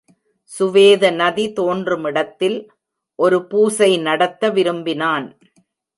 சுவேத நதி தோன்றுமிடத்தில் ஒரு பூசை நடத்த விரும்பினான்.